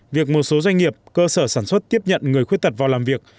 việc một số doanh nghiệp cơ sở sản xuất tiếp nhận người khuyết tật vào làm việc